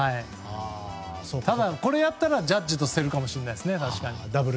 ただ、これをやったらジャッジと競るかもしれないですね。